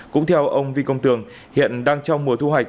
cũng theo ông vy công tường hiện đang trong mùa thuật